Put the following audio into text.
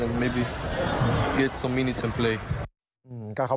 แล้วต่อไปผมจะอยากเล่น